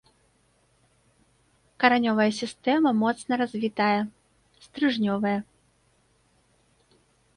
Каранёвая сістэма моцна развітая, стрыжнёвая.